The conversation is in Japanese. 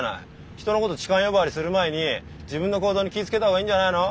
人のこと痴漢呼ばわりする前に自分の行動に気ぃ付けた方がいいんじゃないの？